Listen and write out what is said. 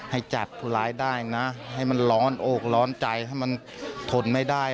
ให้จับผู้ร้ายได้นะให้มันร้อนอกร้อนใจให้มันทนไม่ได้